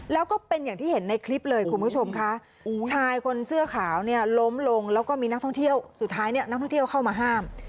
แล้วก็เป็นอย่างที่เห็นในคลิปเลยคุณผู้ชมค่ะชายคนเสื้อขาวเนี่ยล้มลงแล้วก็มีนักท่องเที่ยวสุดท้ายเนี่ยนักท่องเที่ยวเข้ามาห้าม